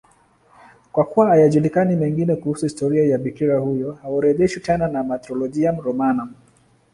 Kwa kuwa hayajulikani mengine kuhusu historia ya bikira huyo, haorodheshwi tena na Martyrologium Romanum.